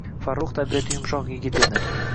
Farrux tabiati yumshoq yigit edi.